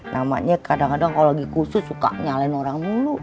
namanya kadang kadang kalau lagi khusus suka nyalain orang dulu